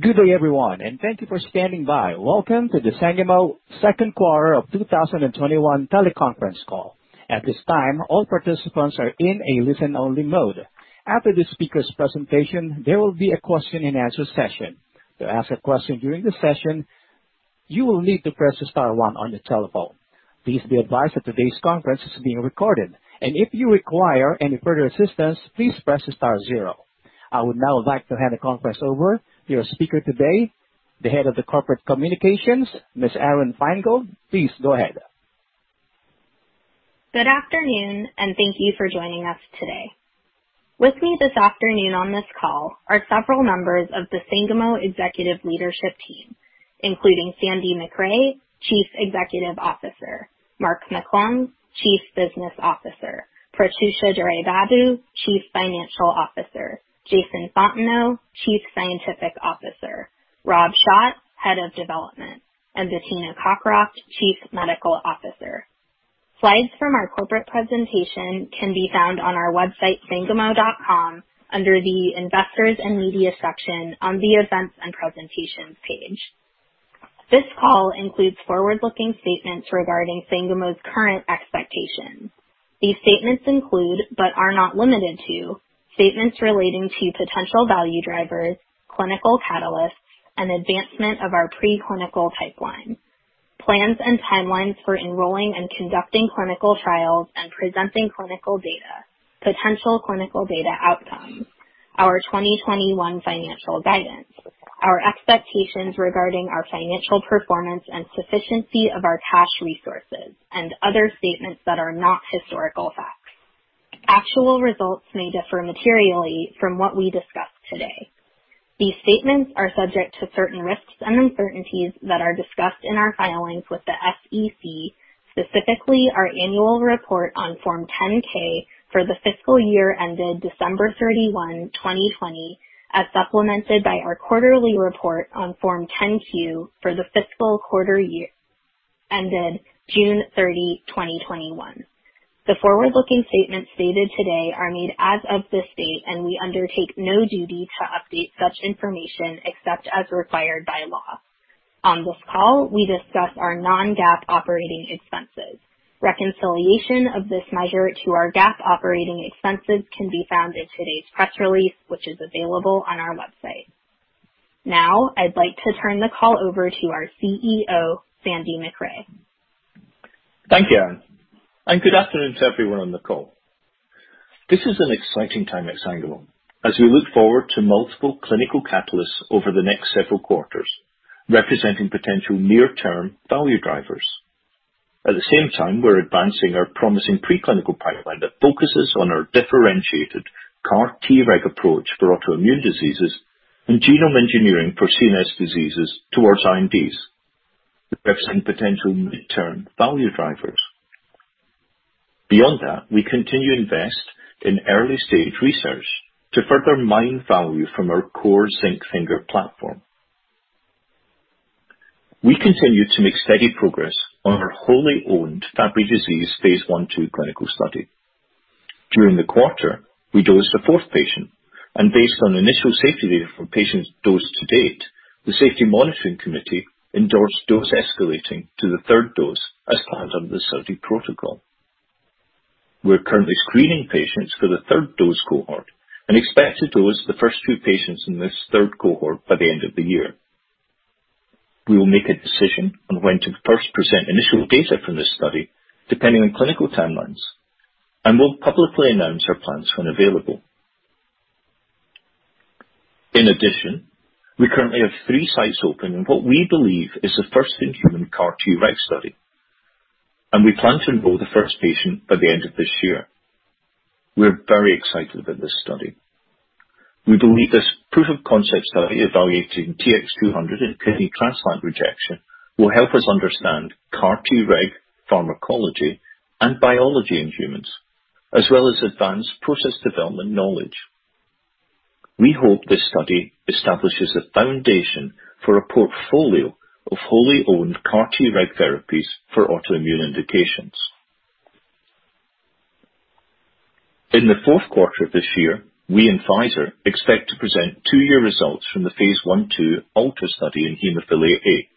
Good day, everyone and thank you for standing by and welcome to the Sangamo second quarter of 2021 teleconference call. I would now like to hand the conference over to your speaker today, the Head of Corporate Communications, Ms. Aron Feingold. Please go ahead. Good afternoon, and thank you for joining us today. With me this afternoon on this call are several members of the Sangamo executive leadership team, including Sandy Macrae, Chief Executive Officer. Mark McClung, Chief Business Officer. Prathyusha Duraibabu, Chief Financial Officer. Jason Fontenot, Chief Scientific Officer. Rob Schott, Head of Development, and Bettina Cockroft, Chief Medical Officer. Slides from our corporate presentation can be found on our website, sangamo.com, under the Investors and Media section on the Events and Presentations page. This call includes forward-looking statements regarding Sangamo's current expectations. These statements include, but are not limited to, statements relating to potential value drivers, clinical catalysts, and advancement of our preclinical pipeline. Plans and timelines for enrolling and conducting clinical trials and presenting clinical data, potential clinical data outcomes, our 2021 financial guidance, our expectations regarding our financial performance and sufficiency of our cash resources, and other statements that are not historical facts. Actual results may differ materially from what we discuss today. These statements are subject to certain risks and uncertainties that are discussed in our filings with the SEC, specifically our annual report on Form 10-K for the fiscal year ended December 31st, 2020, as supplemented by our quarterly report on Form 10-Q for the fiscal quarter year ended June 30th, 2021. The forward-looking statements stated today are made as of this date, and we undertake no duty to update such information except as required by law. On this call, we discuss our non-GAAP operating expenses. Reconciliation of this measure to our GAAP operating expenses can be found in today's press release, which is available on our website. Now, I'd like to turn the call over to our CEO, Sandy Macrae. Thank you, Aron, good afternoon to everyone on the call. This is an exciting time at Sangamo as we look forward to multiple clinical catalysts over the next several quarters, representing potential near-term value drivers. At the same time, we're advancing our promising preclinical pipeline that focuses on our differentiated CAR-Treg approach for autoimmune diseases and genome engineering for CNS diseases towards INDs, representing potential mid-term value drivers. Beyond that, we continue to invest in early-stage research to further mine value from our core zinc finger platform. We continue to make steady progress on our wholly-owned Fabry disease phase I/II clinical study. During the quarter, we dosed the fourth patient, and based on initial safety data from patients dosed to date, the Safety Monitoring Committee endorsed dose escalating to the third dose as planned under the study protocol. We're currently screening patients for the third dose cohort and expect to dose the first two patients in this third cohort by the end of the year. We will make a decision on when to first present initial data from this study, depending on clinical timelines, and will publicly announce our plans when available. We currently have three sites open in what we believe is the first-in-human CAR-Treg study, and we plan to enroll the first patient by the end of this year. We're very excited about this study. We believe this proof-of-concept study evaluating TX200 in kidney transplant rejection will help us understand CAR-Treg pharmacology and biology in humans, as well as advance process development knowledge. We hope this study establishes a foundation for a portfolio of wholly-owned CAR-Treg therapies for autoimmune indications. In the fourth quarter of this year, we and Pfizer expect to present two-year results from the phase I/II Alta study in hemophilia A.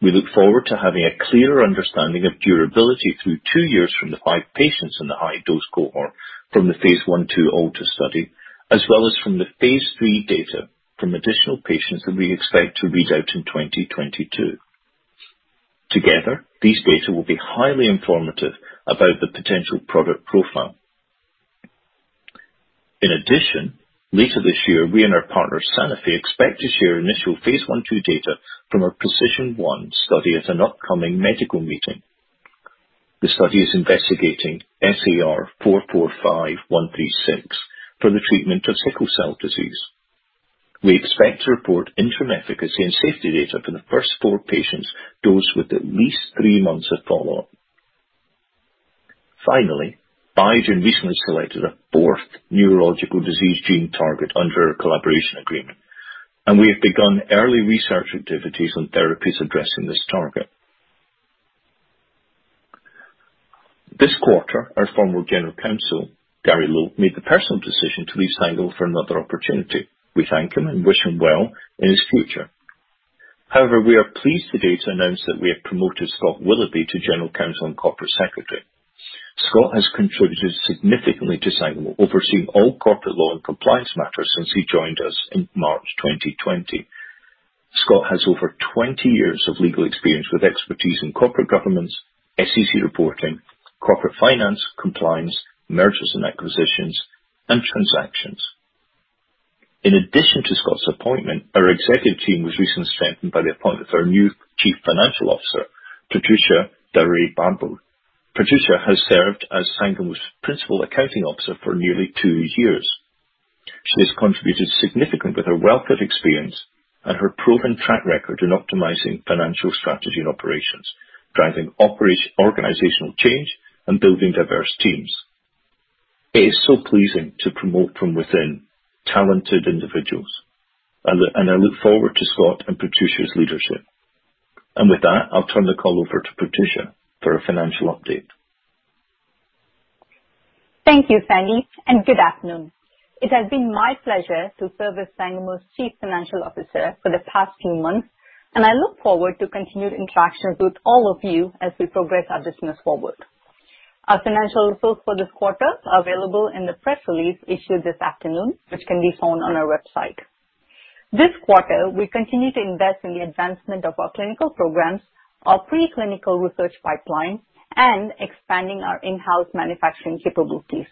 We look forward to having a clearer understanding of durability through two years from the five patients in the high-dose cohort from the phase I/II Alta study, as well as from the phase III data from additional patients that we expect to read out in 2022. Together, these data will be highly informative about the potential product profile. In addition, later this year, we and our partner, Sanofi, expect to share initial phase I/II data from our PRECIZN-1 study at an upcoming medical meeting. The study is investigating SAR445136 for the treatment of sickle cell disease. We expect to report interim efficacy and safety data for the first four patients dosed with at least three months of follow-up. Finally, Biogen recently selected a fourth neurological disease gene target under our collaboration agreement, we have begun early research activities on therapies addressing this target. This quarter, our former General Counsel, Gary Loeb, made the personal decision to leave Sangamo for another opportunity. We thank him and wish him well in his future. However, we are pleased today to announce that we have promoted Scott Willoughby to General Counsel and Corporate Secretary. Scott has contributed significantly to Sangamo, overseeing all corporate law and compliance matters since he joined us in March 2020. Scott has over 20 years of legal experience with expertise in corporate governance, SEC reporting, corporate finance, compliance, mergers and acquisitions, and transactions. In addition to Scott's appointment, our executive team was recently strengthened by the appointment of our new Chief Financial Officer, Prathyusha Duraibabu. Prathyusha has served as Sangamo's principal accounting officer for nearly two years. She has contributed significantly with her wealth of experience and her proven track record in optimizing financial strategy and operations, driving organizational change, and building diverse teams. It is so pleasing to promote from within talented individuals. I look forward to Scott and Prathyusha's leadership. With that, I'll turn the call over to Prathyusha for a financial update. Thank you, Sandy, and good afternoon. It has been my pleasure to serve as Sangamo's Chief Financial Officer for the past few months, and I look forward to continued interactions with all of you as we progress our business forward. Our financial results for this quarter are available in the press release issued this afternoon, which can be found on our website. This quarter, we continue to invest in the advancement of our clinical programs, our preclinical research pipeline, and expanding our in-house manufacturing capabilities.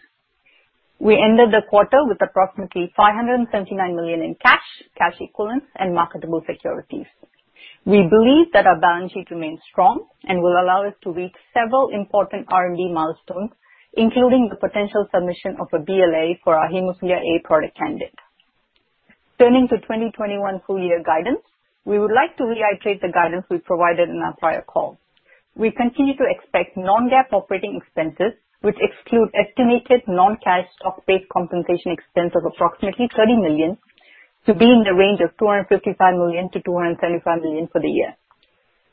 We ended the quarter with approximately $579 million in cash equivalents, and marketable securities. We believe that our balance sheet remains strong and will allow us to reach several important R&D milestones, including the potential submission of a BLA for our hemophilia A product candidate. Turning to 2021 full-year guidance, we would like to reiterate the guidance we provided in our prior calls. We continue to expect non-GAAP operating expenses, which exclude estimated non-cash stock-based compensation expense of approximately $30 million, to be in the range of $255 million-$275 million for the year.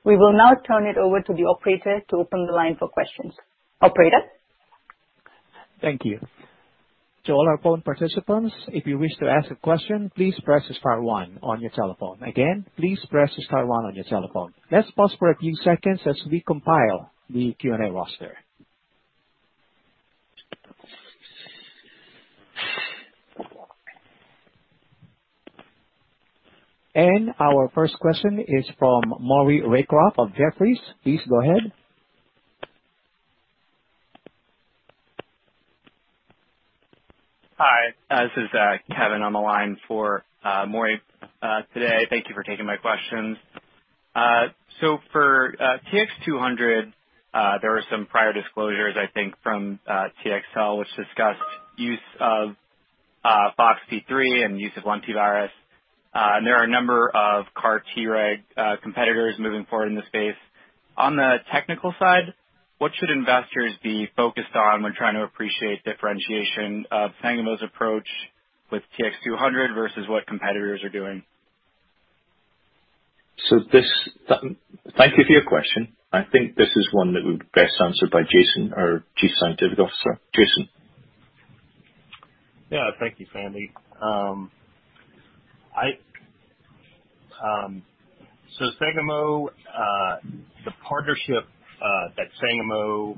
We will now turn it over to the operator to open the line for questions. Operator? Thank you. To all our phone participants, if you wish to ask a question, please press star one on your telephone. Again, please press star one on your telephone. Let's pause for a few seconds as we compile the Q&A roster. And our first question is from Maury Raycroft of Jefferies. Please go ahead. Hi, this is Kevin on the line for Maury today. Thank you for taking my questions. For TX200, there were some prior disclosures, I think, from TxCell, which discussed use of FOXP3 and use of lentivirus. There are a number of CAR-Treg competitors moving forward in the space. On the technical side, what should investors be focused on when trying to appreciate differentiation of Sangamo's approach with TX200 versus what competitors are doing? Thank you for your question. I think this is one that would be best answered by Jason, our Chief Scientific Officer. Jason? Yeah. Thank you, Sandy. The partnership that Sangamo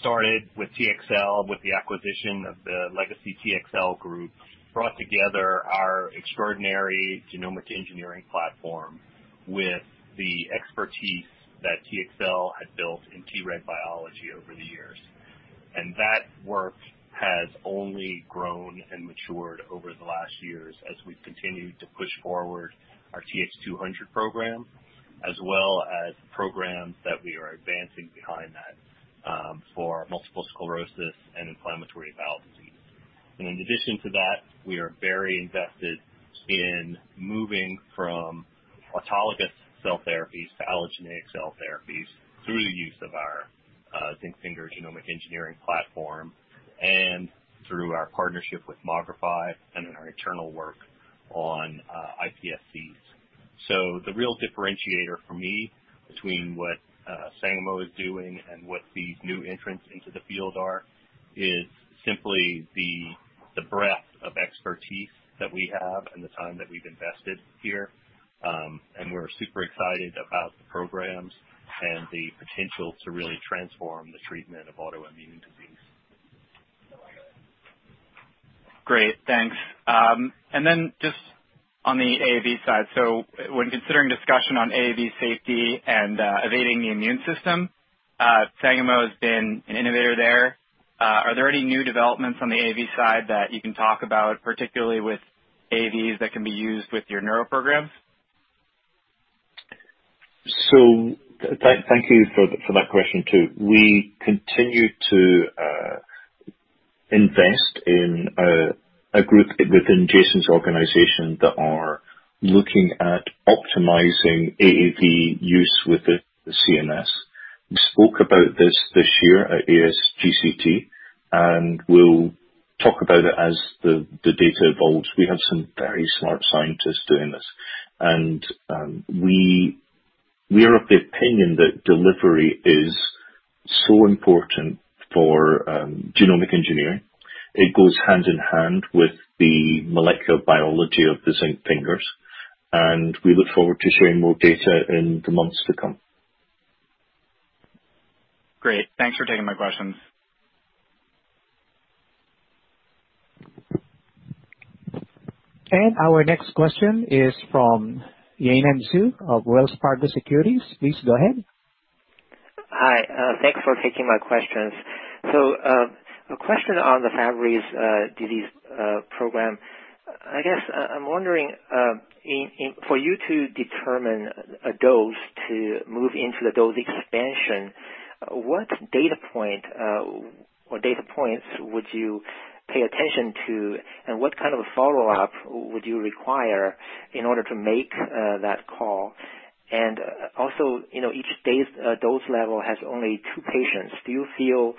started with TxCell, with the acquisition of the legacy TxCell group, brought together our extraordinary genomic engineering platform with the expertise that TxCell had built in Treg biology over the years. That work has only grown and matured over the last years as we've continued to push forward our TX200 program, as well as programs that we are advancing behind that for multiple sclerosis and inflammatory bowel disease. In addition to that, we are very invested in moving from autologous cell therapies to allogeneic cell therapies through the use of our zinc finger genomic engineering platform and through our partnership with Mogrify and in our internal work on iPSCs. The real differentiator for me between what Sangamo is doing and what these new entrants into the field are is simply the breadth of expertise that we have and the time that we've invested here. We're super excited about the programs and the potential to really transform the treatment of autoimmune disease. Great, thanks. Then just on the AAV side. When considering discussion on AAV safety and evading the immune system, Sangamo has been an innovator there. Are there any new developments on the AAV side that you can talk about, particularly with AAVs that can be used with your neuro programs? Thank you for that question, too. We continue to invest in a group within Jason's organization that are looking at optimizing AAV use with the CNS. We spoke about this this year at ASGCT. We'll talk about it as the data evolves. We have some very smart scientists doing this. We are of the opinion that delivery is so important for genomic engineering. It goes hand in hand with the molecular biology of the zinc fingers. We look forward to sharing more data in the months to come. Great, thanks for taking my questions. Our next question is from Yanan Zhu of Wells Fargo Securities. Please go ahead. Hi, thanks for taking my questions. A question on the Fabry disease program. I guess, I'm wondering, for you to determine a dose to move into the dose expansion, what data point or data points would you pay attention to, and what kind of a follow-up would you require in order to make that call? Each dose level has only two patients. Do you feel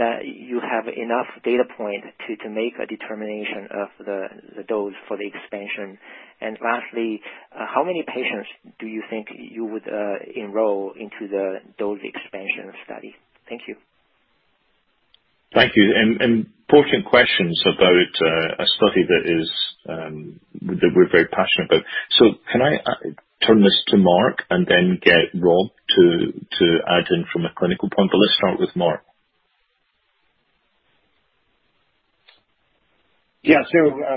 that you have enough data point to make a determination of the dose for the expansion? Lastly, how many patients do you think you would enroll into the dose expansion study? Thank you. Thank you. Important questions about a study that we're very passionate about. Can I turn this to Mark and then get Rob to add in from a clinical point? Let's start with Mark. Yeah,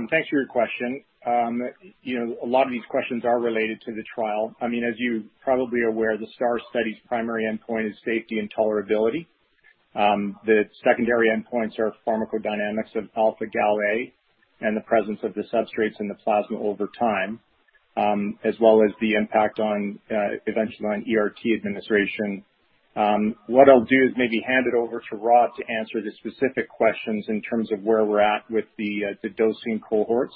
thanks for your question. A lot of these questions are related to the trial. As you're probably aware, the STAAR study's primary endpoint is safety and tolerability. The secondary endpoints are pharmacodynamics of alpha-Gal A and the presence of the substrates in the plasma over time, as well as the impact eventually on ERT administration. What I'll do is maybe hand it over to Rob to answer the specific questions in terms of where we're at with the dosing cohorts,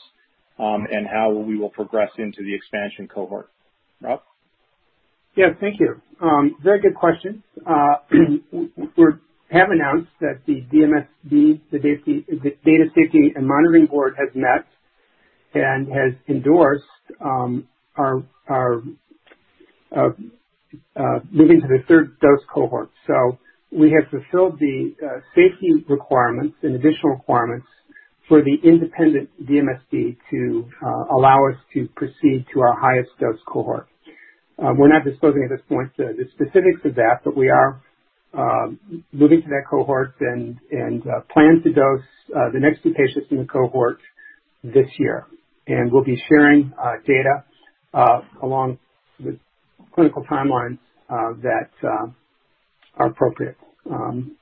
and how we will progress into the expansion cohort. Rob? Yeah, thank you. Very good question. We have announced that the DSMB, the Data Safety and Monitoring Board, has met and has endorsed moving to the third dose cohort. We have fulfilled the safety requirements and additional requirements for the independent DSMB to allow us to proceed to our highest dose cohort. We're not disclosing at this point the specifics of that, but we are moving to that cohort and plan to dose the next two patients in the cohort this year. We'll be sharing data along the clinical timelines that are appropriate. Again,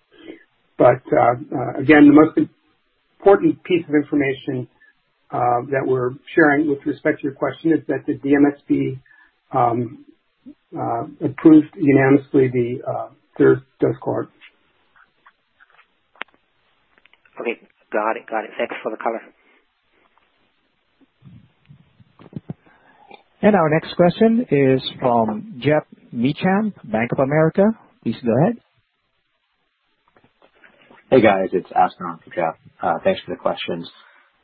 the most important piece of information that we're sharing with respect to your question is that the DSMB approved unanimously the third dose cohort. Okay, got it. Thanks for the comment. Our next question is from Geoff Meacham, Bank of America. Please go ahead. Hey, guys. It's Aspen, not Geoff. Thanks for the questions.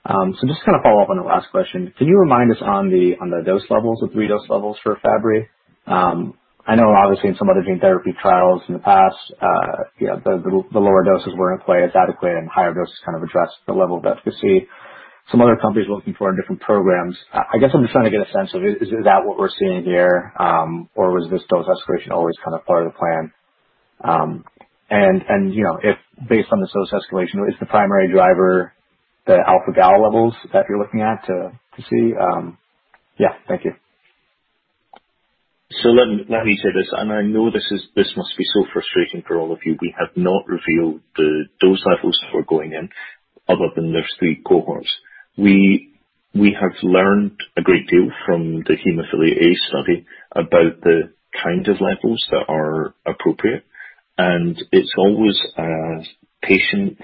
Just to follow up on the last question. Can you remind us on the dose levels, the three dose levels for Fabry disease? I know obviously in some other gene therapy trials in the past, the lower doses were inadequate, and higher doses addressed the level of efficacy. Some other companies looking for different programs. I guess I'm just trying to get a sense of, is that what we're seeing here? Or was this dose escalation always part of the plan? If based on this dose escalation, is the primary driver the alpha-Gal A levels that you're looking at to see? Yeah, thank you. Let me say this, and I know this must be so frustrating for all of you. We have not revealed the dose levels that were going in other than there's three cohorts. We have learned a great deal from the hemophilia A study about the kind of levels that are appropriate, and it's always as patient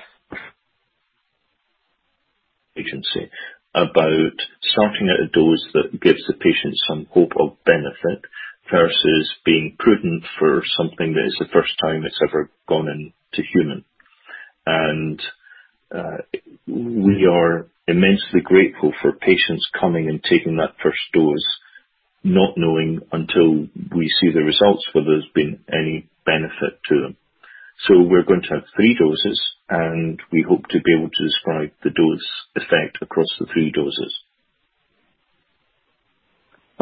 agency about starting at a dose that gives the patient some hope of benefit versus being prudent for something that is the first time it's ever gone into human. We are immensely grateful for patients coming and taking that first dose, not knowing until we see the results whether there's been any benefit to them. We're going to have three doses, and we hope to be able to describe the dose effect across the three doses.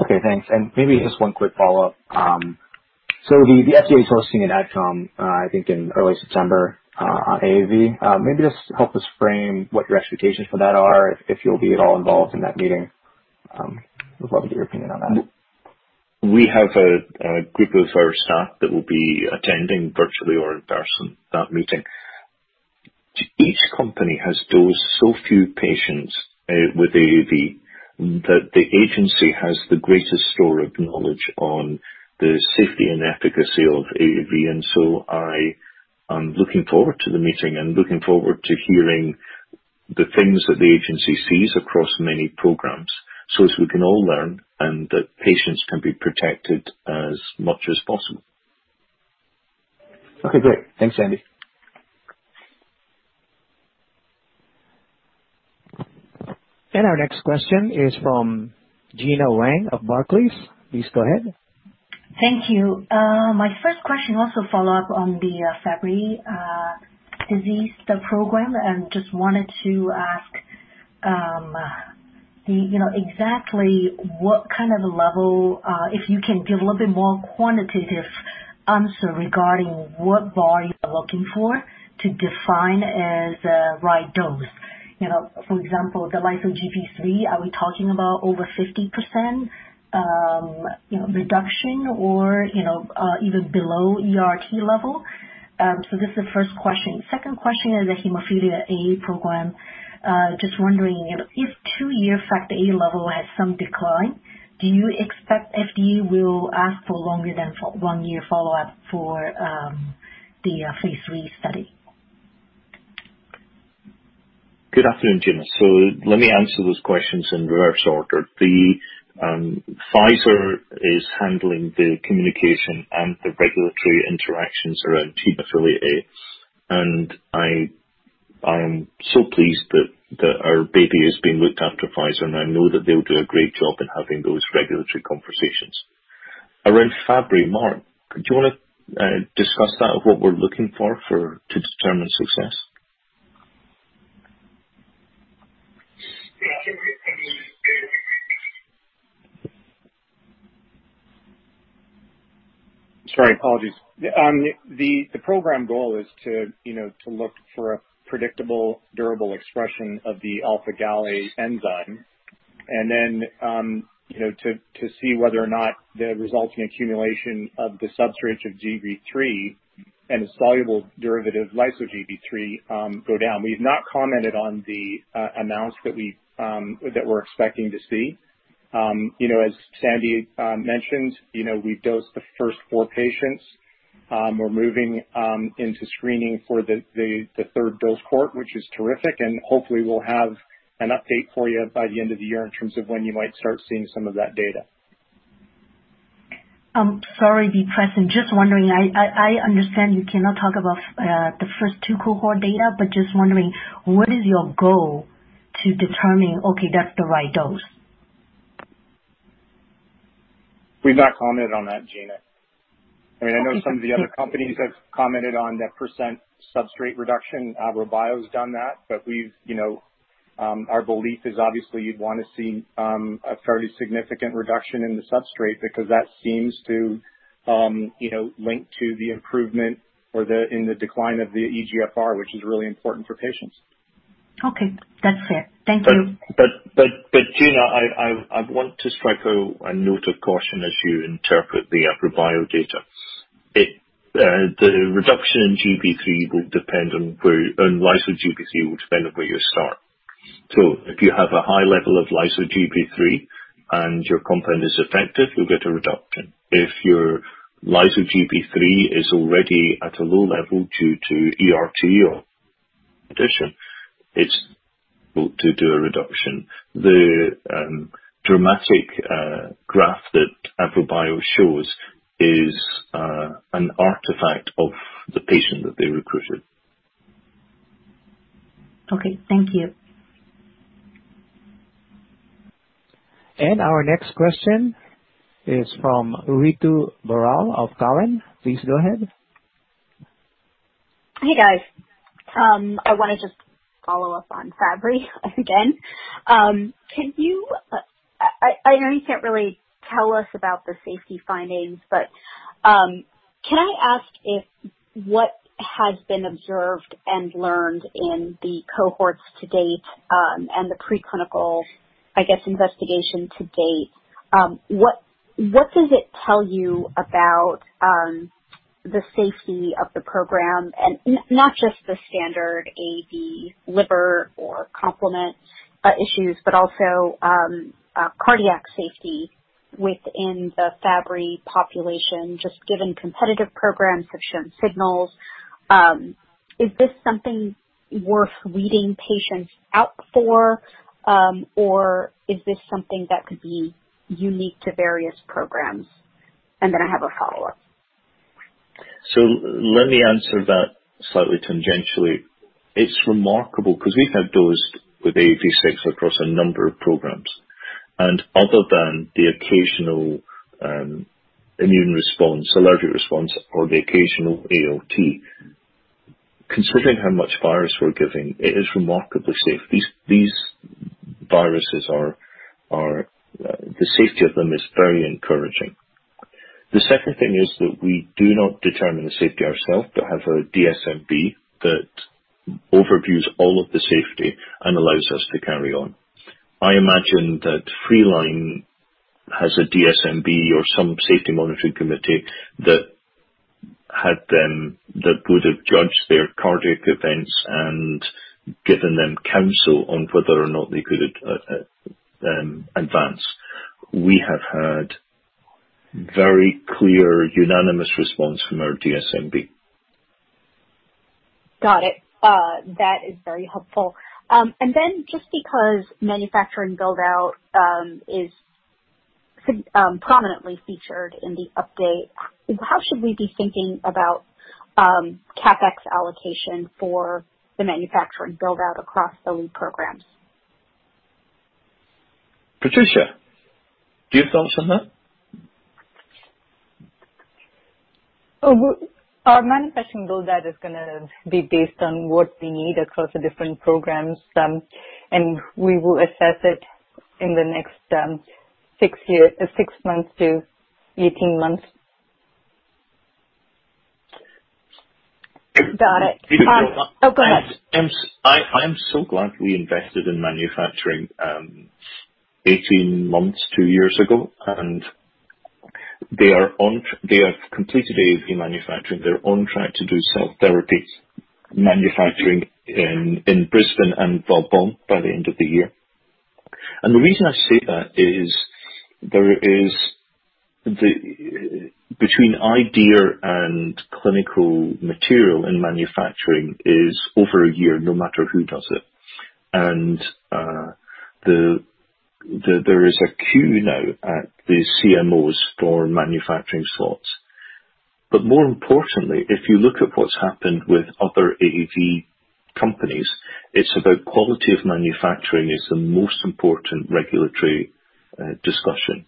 Okay, thanks. Maybe just one quick follow-up. The FDA is hosting an AdCom, I think, in early September, on AAV. Maybe just help us frame what your expectations for that are, if you'll be at all involved in that meeting. Would love to get your opinion on that. We have a group of our staff that will be attending virtually or in person that meeting. Each company has dosed so few patients, with AAV, that the agency has the greatest store of knowledge on the safety and efficacy of AAV. So I am looking forward to the meeting and looking forward to hearing the things that the agency sees across many programs so as we can all learn, and that patients can be protected as much as possible. Okay, great. Thanks, Sandy. Our next question is from Gena Wang of Barclays. Please go ahead. Thank you. My first question, also follow up on the Fabry disease program, just wanted to ask exactly what kind of level, if you can give a little bit more quantitative answer regarding what bar you are looking for to define as the right dose? For example, the lyso-Gb3, are we talking about over 50% reduction or even below ERT level? This is the first question. Second question is the hemophilia A program. Just wondering, if two-year factor VIII level has some decline, do you expect FDA will ask for longer than one-year follow-up for the phase III study? Good afternoon, Gena. Let me answer those questions in reverse order. Pfizer is handling the communication and the regulatory interactions around hemophilia A. I am so pleased that our baby is being looked after, Pfizer. I know that they'll do a great job in having those regulatory conversations. Around Fabry, Mark, do you want to discuss that, of what we're looking for to determine success? Sorry, apologies. The program goal is to look for a predictable, durable expression of the alpha-Gal A enzyme, and then to see whether or not the resulting accumulation of the substrates of Gb3 and its soluble derivative, lyso-Gb3, go down. We've not commented on the announce that we're expecting to see. As Sandy mentioned, we've dosed the first four patients. We're moving into screening for the third dose cohort, which is terrific. Hopefully we'll have an update for you by the end of the year in terms of when you might start seeing some of that data. Sorry to be pressing. Just wondering, I understand you cannot talk about the first two cohort data, but just wondering, what is your goal to determine, okay, that's the right dose? We've not commented on that, Gena. I know some of the other companies have commented on their percent of substrate reduction. AVROBIO's done that. Our belief is obviously you'd want to see a fairly significant reduction in the substrate because that seems to link to the improvement or in the decline of the eGFR, which is really important for patients. Okay, that's fair. Thank you. Gena, I want to strike a note of caution as you interpret the AVROBIO data. The reduction in Gb3 will depend on where, and lyso-Gb3 will depend on where you start. If you have a high level of lyso-Gb3 and your compound is effective, you'll get a reduction. If your lyso-Gb3 is already at a low level due to ERT or addition, it's going to do a reduction. The dramatic graph that AVROBIO shows is an artifact of the patient that they recruited. Okay, thank you. Our next question is from Ritu Baral of Cowen. Please go ahead. Hey, guys. I want to just follow up on Fabry again. I know you can't really tell us about the safety findings, but can I ask if what has been observed and learned in the cohorts to date and the preclinical, I guess, investigation to date, what does it tell you about the safety of the program and not just the standard AAV liver or complement issues, but also cardiac safety within the Fabry population, just given competitive programs have shown signals? Is this something worth weeding patients out for or is this something that could be unique to various programs? I have a follow-up. Let me answer that slightly tangentially. It's remarkable because we've had dosed with AAV6 across a number of programs, and other than the occasional immune response, allergic response, or the occasional ALT, considering how much virus we're giving, it is remarkably safe. These viruses, the safety of them is very encouraging. The second thing is that we do not determine the safety ourselves but have a DSMB that overviews all of the safety and allows us to carry on. I imagine that Freeline has a DSMB or some Safety Monitoring Committee that would have judged their cardiac events and given them counsel on whether or not they could advance. We have had very clear, unanimous response from our DSMB. Got it, that is very helpful. Just because manufacturing build out is prominently featured in the update, how should we be thinking about CapEx allocation for the manufacturing build out across the lead programs? Prathyusha, do you have thoughts on that? Our manufacturing build out is going to be based on what we need across the different programs, and we will assess it in the next 6-18 months. Got it, go ahead. I am so glad we invested in manufacturing 18 months, two years ago. They have completed AAV manufacturing. They're on track to do cell therapies manufacturing in Brisbane and Valbonne by the end of the year. The reason I say that is, between idea and clinical material in manufacturing is over a year, no matter who does it. There is a queue now at the CMOs for manufacturing slots. More importantly, if you look at what's happened with other AAV companies, it's about quality of manufacturing is the most important regulatory discussion.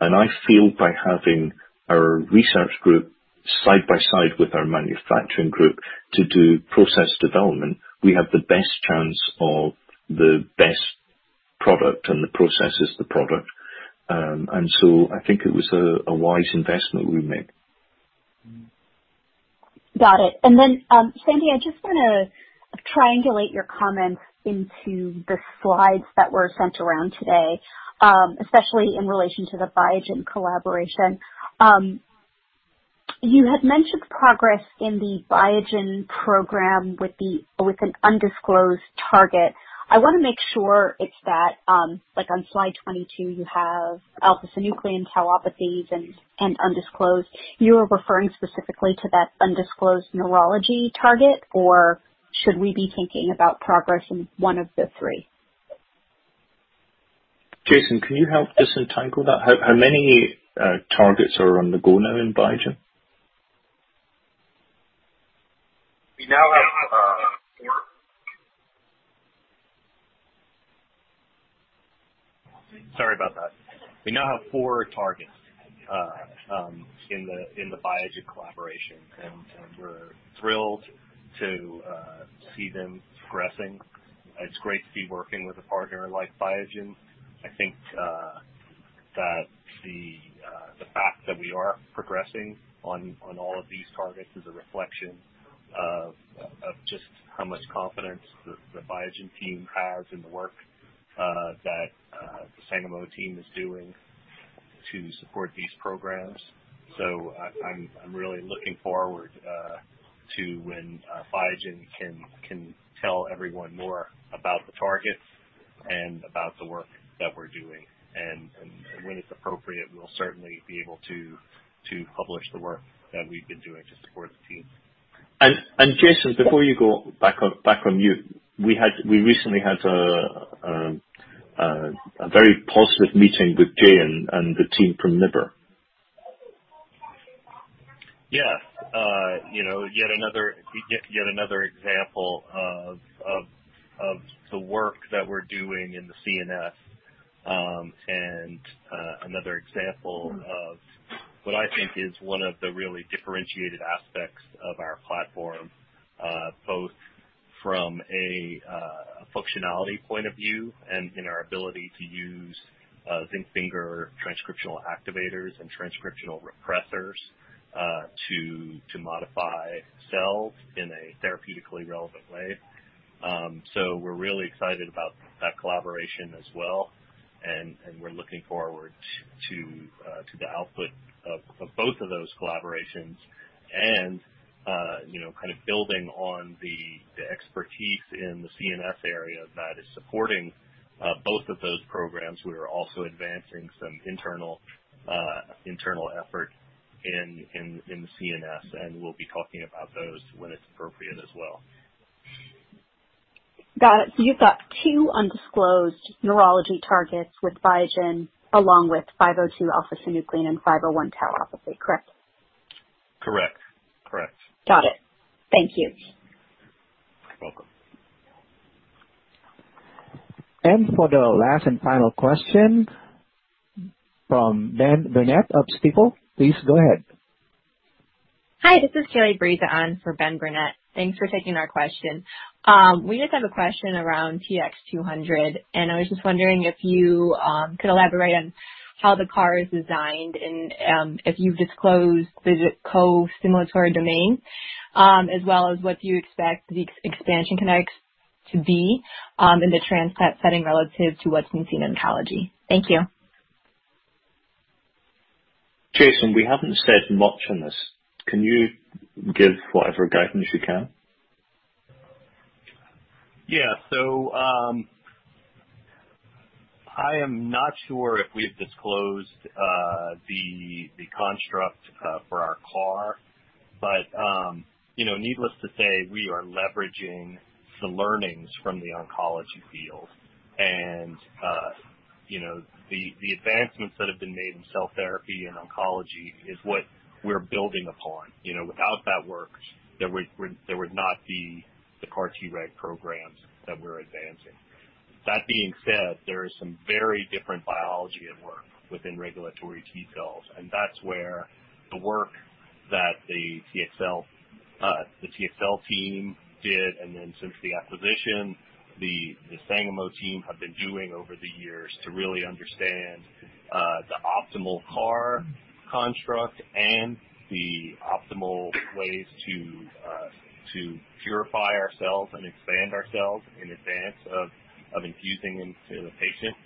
I feel by having our research group side by side with our manufacturing group to do process development, we have the best chance of the best product and the process is the product. I think it was a wise investment we made. Got it. Sandy, I just want to triangulate your comments into the slides that were sent around today, especially in relation to the Biogen collaboration. You had mentioned progress in the Biogen program with an undisclosed target. I want to make sure it's that, like on slide 22, you have alpha-synuclein, tauopathies, and undisclosed. You are referring specifically to that undisclosed neurology target, or should we be thinking about progress in one of the three? Jason, can you help disentangle that? How many targets are on the go now in Biogen? Sorry about that. We now have four targets in the Biogen collaboration, and we're thrilled to see them progressing. It's great to be working with a partner like Biogen. I think that the fact that we are progressing on all of these targets is a reflection of just how much confidence the Biogen team has in the work that the Sangamo team is doing to support these programs. I'm really looking forward to when Biogen can tell everyone more about the targets and about the work that we're doing. When it's appropriate, we'll certainly be able to publish the work that we've been doing to support the team. Jason, before you go back on mute, we recently had a very positive meeting with Jay and the team from NIBR. Yeah. Yet another example of the work that we're doing in the CNS, and another example of what I think is one of the really differentiated aspects of our platform, both from a functionality point of view and in our ability to use zinc finger transcriptional activators and transcriptional repressors to modify cells in a therapeutically relevant way. We're really excited about that collaboration as well, and we're looking forward to the output of both of those collaborations and building on the expertise in the CNS area that is supporting both of those programs. We are also advancing some internal effort in the CNS, and we'll be talking about those when it's appropriate as well. Got it. You've got two undisclosed neurology targets with Biogen along with ST-502 alpha-synuclein and ST-501 tauopathy, correct? Correct. Got it, thank you. You're welcome. For the last and final question from Ben Burnett of Stifel, please go ahead. Hi, this is Kailie Briza on for Ben Burnett. Thanks for taking our question. We just have a question around TX200. I was just wondering if you could elaborate on how the CAR is designed and if you've disclosed the co-stimulatory domain, as well as what you expect the expansion kinetics to be in the transplant setting relative to what's been seen in oncology. Thank you. Jason, we haven't said much on this. Can you give whatever guidance you can? Yeah. I am not sure if we've disclosed the construct for our CAR, needless to say, we are leveraging the learnings from the oncology field. The advancements that have been made in cell therapy and oncology is what we're building upon. Without that work, there would not be the CAR-Treg programs that we're advancing. That being said, there is some very different biology at work within regulatory T cells. That is where the work that the TxCell team did, and then since the acquisition, the Sangamo team have been doing over the years to really understand the optimal CAR construct and the optimal ways to purify ourselves and expand ourselves in advance of infusing into the patient.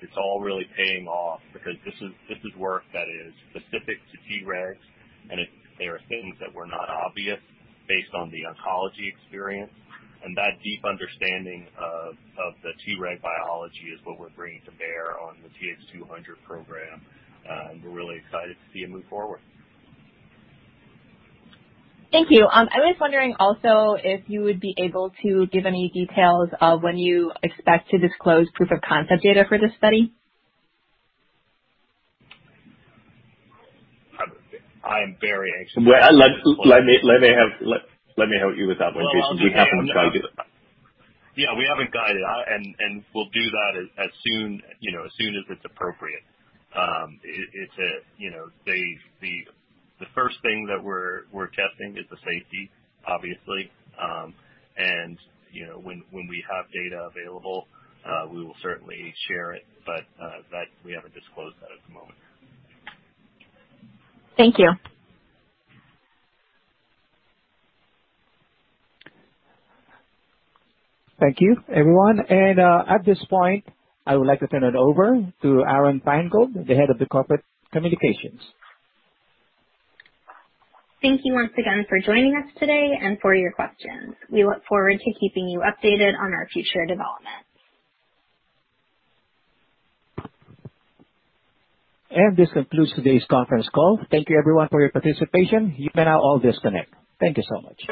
It's all really paying off because this is work that is specific to Tregs. There are things that were not obvious based on the oncology experience. That deep understanding of the Treg biology is what we're bringing to bear on the TX200 program. We're really excited to see it move forward. Thank you. I was wondering also if you would be able to give any details of when you expect to disclose proof of concept data for this study? I am very- Let me help you with that one, Jason. We haven't guided. Yeah, we haven't guided. We'll do that as soon as it's appropriate. The first thing that we're testing is the safety, obviously. When we have data available, we will certainly share it. That we haven't disclosed that at the moment. Thank you. Thank you, everyone. At this point, I would like to turn it over to Aron Feingold, the Head of Corporate Communications. Thank you once again for joining us today and for your questions. We look forward to keeping you updated on our future developments. This concludes today's conference call. Thank you, everyone, for your participation. You can now all disconnect. Thank you so much.